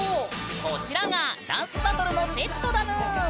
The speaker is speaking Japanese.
こちらがダンスバトルのセットだぬん！